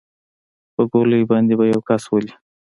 په ګولۍ باندې به يو كس ولې.